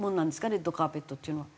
レッドカーペットっていうのは。